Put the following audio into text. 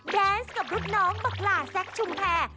แดนส์กับรุ่นน้องบักหล่าแซคชุมแพร